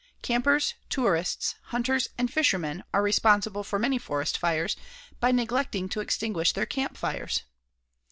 Campers, tourists, hunters, and fishermen are responsible for many forest fires by neglecting to extinguish their campfires.